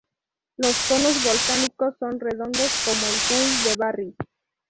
Los conos volcánicos son redondos como el Puy de Barry.